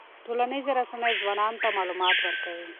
ټولنیزې رسنۍ ځوانانو ته معلومات ورکوي.